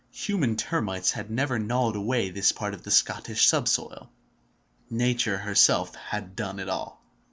Human termites had never gnawed away this part of the Scottish subsoil; nature herself had done it all.